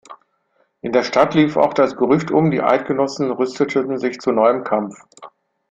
In der Stadt lief auch das Gerücht um, die Eidgenossen rüsteten zu neuem Kampf.